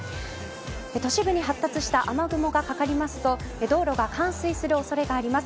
都市部に発達した雨雲がかかりますと道路が冠水する恐れがあります。